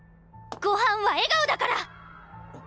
「ごはんは笑顔」だから！